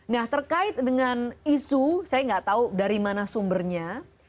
nah terkait dengan isu saya nggak tahu dari mana sumbernya